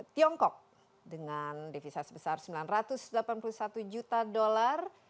tiongkok dengan devisa sebesar sembilan ratus delapan puluh satu juta dolar